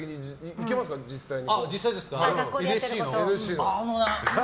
いけますか実際に。